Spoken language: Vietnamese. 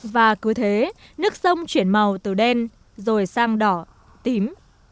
và cứ thế nước sông chuyển màu từ đen rồi sang đỏ tím